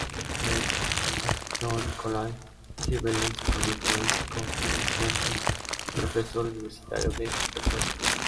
En St John College, Cleveland se convirtió en conferenciante y profesor universitario de retórica.